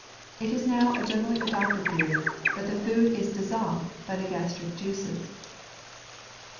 It is now a generally adopted theory, that the food is dissolved by the gastric juices.